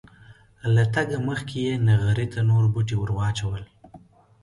له تګه مخکې یې نغري ته نور بوټي ور واچول.